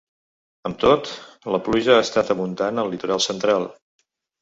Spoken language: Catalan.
Amb tot, la pluja ha estat abundant al litoral central.